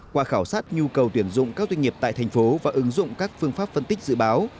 qua khảo sát nhu cầu tuyển dụng các doanh nghiệp tại thành phố và ứng dụng các phương pháp phân tích dự báo